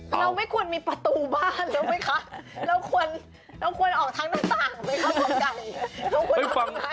เราไม่ควรมีประตูบ้านเลยไหมคะเราควรออกทางด้านต่างไปครับผม